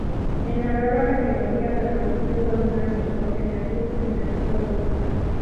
En la nueva categoría permaneció solo un año, porque en el club finalizó colista.